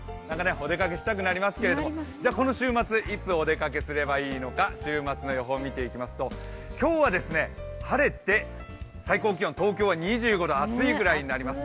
お出かけしたくなりますけれどもこの週末いつお出かけすればいいのか週末の予報見ていきますと、今日は晴れて最高気温東京は２５度、暑いくらいになります